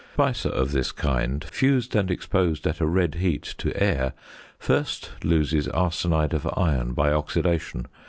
A speise of this kind, fused and exposed at a red heat to air, first loses arsenide of iron by oxidation.